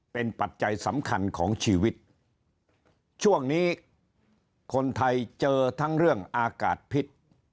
เป็นปัจจัยสำคัญของชีวิตช่วงนี้คนไทยเจอทั้งเรื่องอากาศพิษ